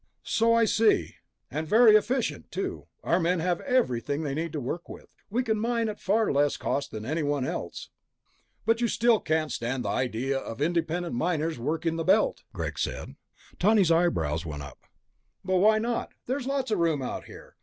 "So I see." "And very efficient, too. Our men have everything they need to work with. We can mine at far less cost than anyone else." "But you still can't stand the idea of independent miners working the Belt," Greg said. Tawney's eyebrows went up. "But why not? There's lots of room out here.